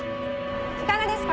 いかがですか？